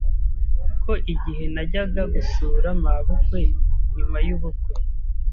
ko igihe najyaga gusura mabukwe nyuma y’ubukwe